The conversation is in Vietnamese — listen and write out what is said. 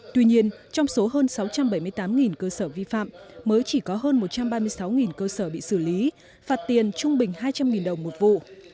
tuy nhiên trong số hơn sáu trăm bảy mươi tám cơ sở vi phạm mới chỉ có hơn một trăm ba mươi sáu cơ sở bị xử lý phạt tiền trung bình hai trăm linh đồng một vụ